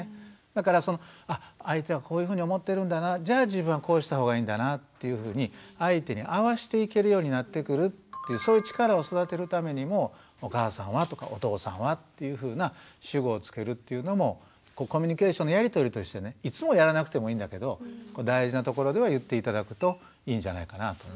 だから相手はこういうふうに思ってるんだなじゃあ自分はこうした方がいいんだなっていうふうに相手に合わしていけるようになってくるっていうそういう力を育てるためにもお母さんはとかお父さんはというふうな主語をつけるっていうのもコミュニケーションのやり取りとしてねいつもやらなくてもいいんだけど大事なところでは言って頂くといいんじゃないかなと。